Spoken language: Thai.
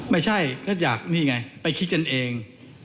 ไม่ใช่ก็อยากนี่ไงไปคิดกันเอง